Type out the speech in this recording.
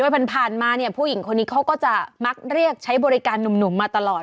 ผ่านมาเนี่ยผู้หญิงคนนี้เขาก็จะมักเรียกใช้บริการหนุ่มมาตลอด